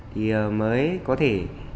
thì mới có thể